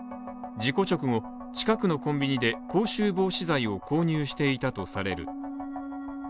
事故直後、近くのコンビニで口臭防止剤を購入していたとされる。